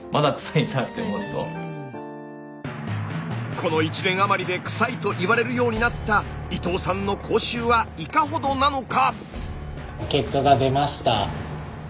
この１年余りでくさいと言われるようになった伊藤さんの口臭はいかほどなのか